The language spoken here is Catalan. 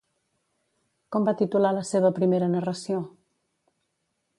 Com va titular la seva primera narració?